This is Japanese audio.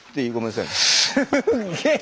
すげえ！